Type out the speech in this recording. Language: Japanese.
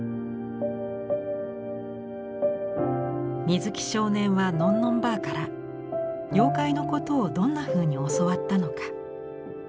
水木少年はのんのんばあから妖怪のことをどんなふうに教わったのか。